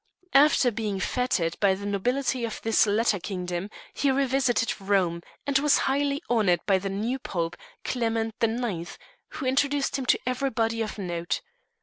After being fêted by the nobility of this latter kingdom he revisited Rome, and was highly honoured by the new Pope, Clement the Ninth, who introduced him to everybody of note.